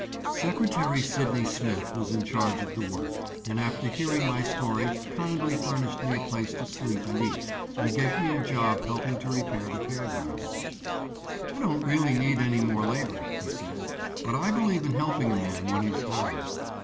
Secretary Sidney Smith was in charge of the work, and after hearing my story, kindly furnished me a place to sleep and eat, and gave me a job helping to repair the fair grounds. "I don't really need any more labor," he said, "but I believe in helping a man when he's down."